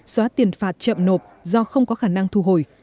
xóa tiền phạt chậm nộp do không có khả năng thu hồi